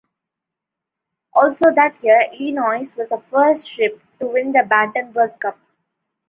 Also that year, "Illinois" was the first ship to win the Battenberg Cup.